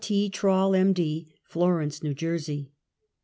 t. Trall, M. D. Florence, New Jersey.